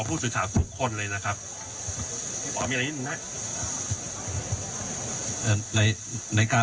ผู้สุดท้ายทุกคนเลยนะครับพี่บอกมีอะไรอีกหนึ่งนะเอ่อในในการ